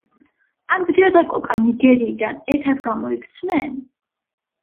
ანდრია და კოკა ნიგერიიდან ერთად გამოიქცნენ?